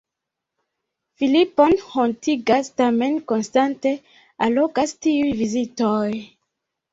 Filipon hontigas, tamen konstante allogas tiuj vizitoj.